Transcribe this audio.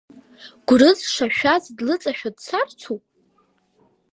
Гәрыӡ-шашәаӡ длыҵашәа дцарцу?